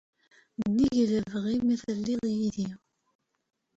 nnig n lebɣi-m i telliḍ yid-i.